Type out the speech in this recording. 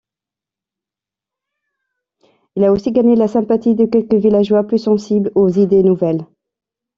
Il a aussi gagné la sympathie de quelques villageois plus sensibles aux idées nouvelles.